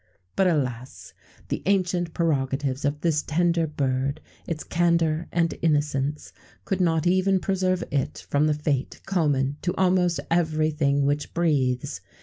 But, alas! the ancient prerogatives of this tender bird, its candour and innocence, could not even preserve it from the fate common to almost everything which breathes.